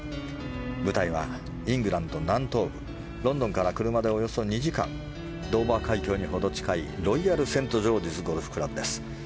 舞台はイングランド南東部ロンドンから車でおよそ２時間ドーバー海峡にほど近いロイヤル・セントジョージズゴルフクラブです。